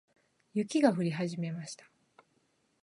雪が降り始めました。